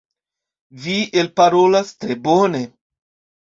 Vi elparolas tre bone.